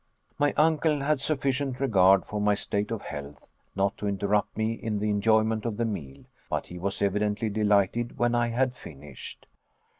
My uncle had sufficient regard for my state of health not to interrupt me in the enjoyment of the meal, but he was evidently delighted when I had finished.